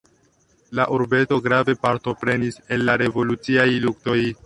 La urbeto grave partoprenis en la revoluciaj luktoj.